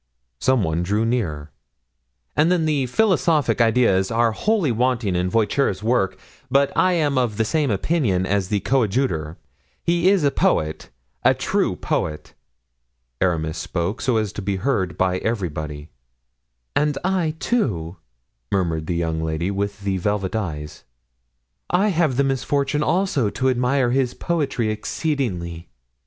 Some one drew near. "And then philosophic ideas are wholly wanting in Voiture's works, but I am of the same opinion as the coadjutor—he is a poet, a true poet." Aramis spoke so as to be heard by everybody. "And I, too," murmured the young lady with the velvet eyes. "I have the misfortune also to admire his poetry exceedingly."